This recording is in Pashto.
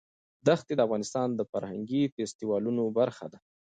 دښتې د افغانستان د فرهنګي فستیوالونو برخه ده.